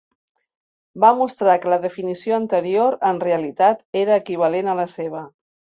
Va mostrar que la definició anterior en realitat era equivalent a la seva.